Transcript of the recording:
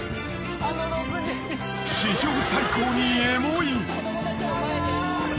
［史上最高にエモい］